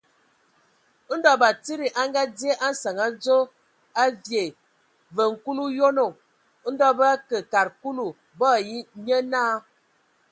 Ndɔ batsidi a ngadzye a nsǝŋ adzo a vyɛɛ̂! Vǝ kul o yonoŋ. Ndɔ bə akǝ kad Kulu, bo ai nye naa.